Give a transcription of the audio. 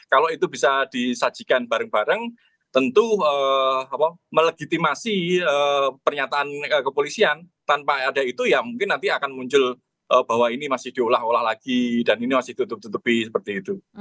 kalau itu bisa disajikan bareng bareng tentu melegitimasi pernyataan kepolisian tanpa ada itu ya mungkin nanti akan muncul bahwa ini masih diolah olah lagi dan ini masih ditutup tutupi seperti itu